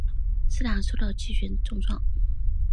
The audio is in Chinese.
坦皮科受到气旋重创。